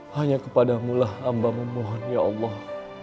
hanya kepadamulah amba memohon ya allah